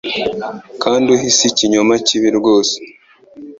Kandi uhe isi ikinyoma kibi rwose.